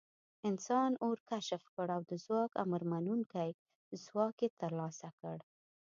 انسان اور کشف کړ او د ځواک امرمنونکی ځواک یې تر لاسه کړ.